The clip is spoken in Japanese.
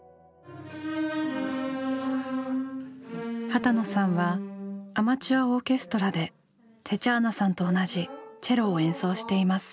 波多野さんはアマチュアオーケストラでテチャーナさんと同じチェロを演奏しています。